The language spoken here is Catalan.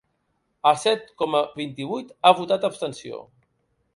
El set coma vint-i-vuit ha votat abstenció.